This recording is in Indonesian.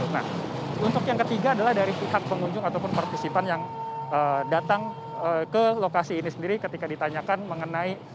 nah untuk yang ketiga adalah dari pihak pengunjung ataupun partisipan yang datang ke lokasi ini sendiri ketika ditanyakan mengenai